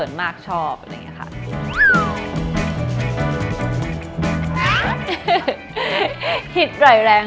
เจ้าจะแบบยังไม่ได้นอน